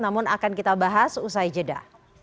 namun akan kita bahas usai jeda